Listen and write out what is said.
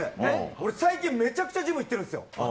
俺、最近、めちゃくちゃジム行ってるんですよ。